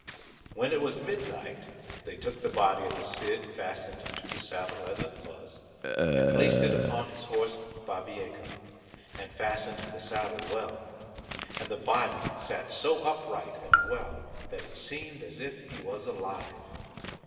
When it was midnight they took the body of the Cid fastened to the saddle as it was, and placed it upon his horse Bavieca, and fastened the saddle well: and the body sate so upright and well that it seemed as if he was alive.